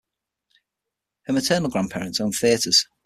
Her maternal grandparents owned theatres.